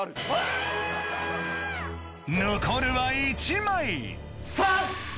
残るは１枚３！